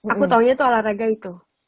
aku taunya tuh olahraga itu